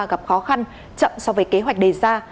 gặp khó khăn chậm so với kế hoạch đề ra